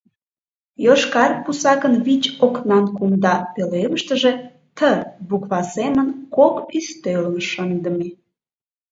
Йошкар пусакын вич окнан кумда пӧлемыштыже «Т» буква семын кок ӱстелым шындыме.